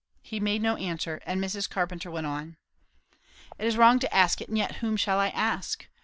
He made no answer; and Mrs. Carpenter soon went on. "It is wrong to ask it, and yet whom shall I ask?